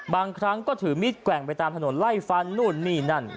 บางครั้งก็ถือมิดแกว่งไปตามถนนไล่ฟันนู่นนี่นั่น